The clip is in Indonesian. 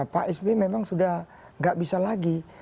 pak sby memang sudah tidak bisa lagi